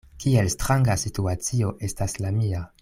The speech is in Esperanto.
Kiel stranga situacio estas la mia.